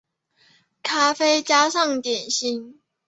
咖啡加上点心